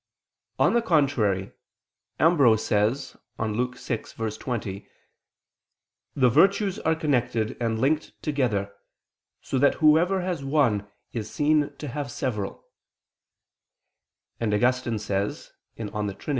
On the contrary, Ambrose says on Luke 6:20: "The virtues are connected and linked together, so that whoever has one, is seen to have several": and Augustine says (De Trin.